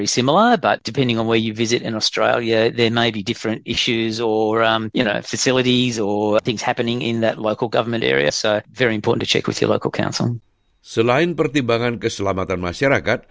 selain pertimbangan keselamatan masyarakat